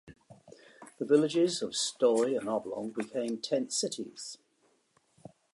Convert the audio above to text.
The villages of Stoy and Oblong became tent cities.